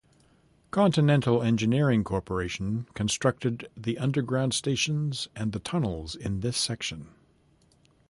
Continental Engineering Corporation constructed the underground stations and the tunnels in this section.